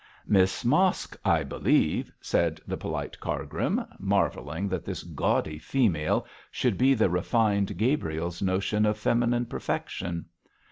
'Miss Mosk, I believe,' said the polite Cargrim, marvelling that this gaudy female should be the refined Gabriel's notion of feminine perfection.